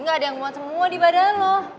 gak ada yang buat semua di badan lo